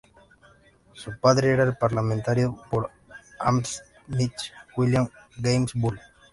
Su padre era el parlamentario por Hammersmith William James Bull.